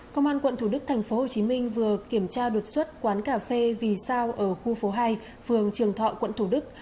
công an quận thủ đức tp hcm vừa kiểm tra đột xuất quán cà phê vì sao ở khu phố hai phường trường thọ quận thủ đức